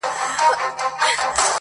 o د سکريټو آخيري قطۍ ده پاته.